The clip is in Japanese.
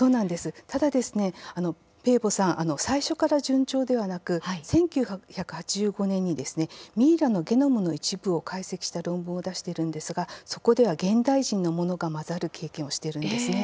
ただペーボさん、最初から順調ではなく、１９８５年にミイラのゲノムの一部を解析した論文を出しているんですがそこでは現代人のものが混ざる経験をしているんですね。